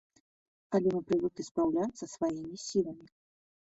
Але мы прывыклі спраўляцца сваімі сіламі.